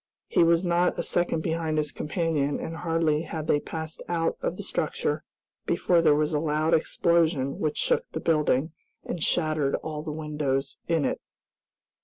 He was not a second behind his companion, and hardly had they passed out of the structure before there was a loud explosion which shook the building, and shattered all the windows in it.